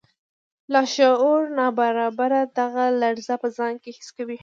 لاشعور ناببره دغه لړزه په ځان کې حس کوي